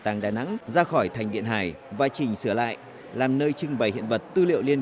tàng đà nẵng ra khỏi thành điện hải và chỉnh sửa lại làm nơi trưng bày hiện vật tư liệu liên